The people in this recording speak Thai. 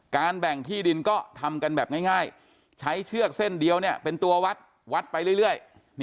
แบ่งที่ดินก็ทำกันแบบง่ายใช้เชือกเส้นเดียวเป็นตัววัดวัดไปเรื่อย